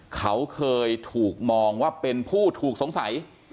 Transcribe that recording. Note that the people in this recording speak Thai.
เขาเคยถูกมองว่าเป็นผู้ถูกสงสัย